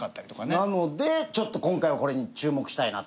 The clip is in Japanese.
なのでちょっと今回はこれに注目したいなと。